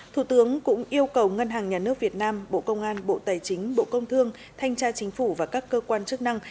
thủ tướng cũng yêu cầu ngân hàng nhà nước việt nam bộ công an bộ tài chính bộ công thương thanh tra chính phủ và các cơ quan chức năng